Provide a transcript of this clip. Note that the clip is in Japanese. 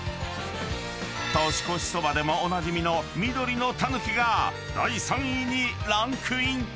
［年越しそばでもおなじみの緑のたぬきが第３位にランクイン］